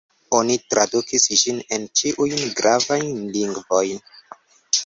Oni tradukis ĝin en ĉiujn gravajn lingvojn.